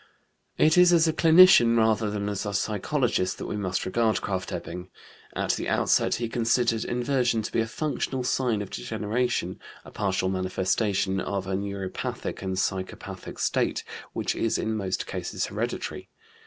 It is as a clinician, rather than as a psychologist, that we must regard Krafft Ebing. At the outset he considered inversion to be a functional sign of degeneration, a partial manifestation of a neuropathic and psychopathic state which is in most cases hereditary.